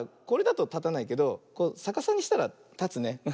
これだとたたないけどさかさにしたらたつね。